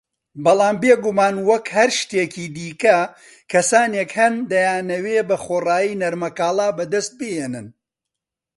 بەڵام بیگومان وەک هەر شتێکی دیکە، کەسانێک هەن دەیانەوێ بەخۆڕایی نەرمەکاڵا بەدەست بهێنن